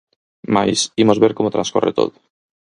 Mais, imos ver como transcorre todo.